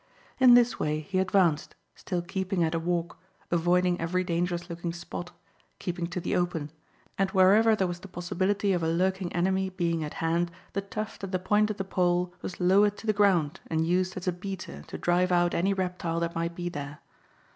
In this way he advanced, still keeping at a walk, avoiding every dangerous looking spot, keeping to the open, and wherever there was the possibility of a lurking enemy being at hand the tuft at the point of the pole was lowered to the ground and used as a beater to drive out any reptile that might be there.